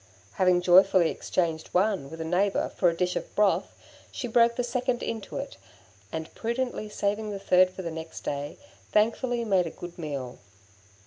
Having joyfully exchanged one with a neighbour for a dish of broth, she broke the second into it, and prudently saving the third for next day, thankfully made a good meal.